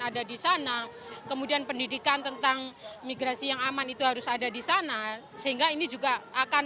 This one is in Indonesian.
ada di sana kemudian pendidikan tentang migrasi yang aman itu harus ada di sana sehingga ini juga akan